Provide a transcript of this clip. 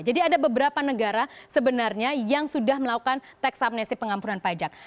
jadi ada beberapa negara sebenarnya yang sudah melakukan teks amnesti pengampunan pajak